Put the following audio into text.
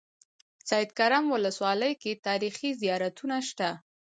سیدکرم ولسوالۍ کې تاریخي زيارتونه شته.